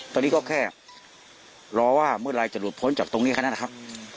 ตอนนี้ก็แค่รอว่าเมื่อไหร่จะหลุดพ้นจากตรงนี้แค่นั้นนะครับ